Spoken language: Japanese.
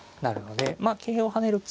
まあ桂を跳ねるか。